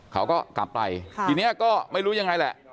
เขาก็กลับไปทีนี้ก็ไม่รู้ยังไงแหละ